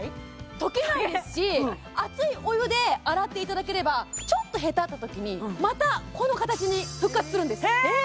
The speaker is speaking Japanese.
溶けないですし熱いお湯で洗っていただければちょっとへたったときにまたこの形に復活するんですへえ！